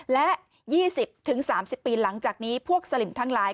และ๒๐๓๐ปีหลังจากนี้พวกสลิมทั้งหลาย